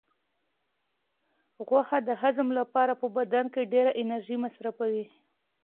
غوښه د هضم لپاره په بدن کې ډېره انرژي مصرفوي.